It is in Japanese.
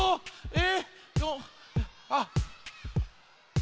え。